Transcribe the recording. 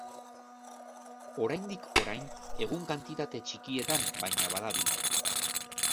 Oraindik-orain egun kantitate txikietan baina badabil.